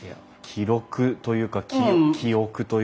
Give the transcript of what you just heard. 記録というか記憶というか。